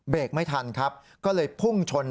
ไม่ทันครับก็เลยพุ่งชน